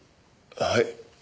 はい。